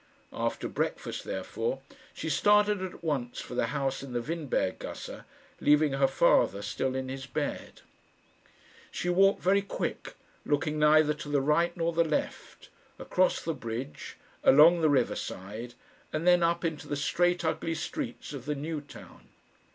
After breakfast, therefore, she started at once for the house in the Windberg gasse, leaving her father still in his bed. She walked very quick, looking neither to the right nor the left, across the bridge, along the river side, and then up into the straight ugly streets of the New Town.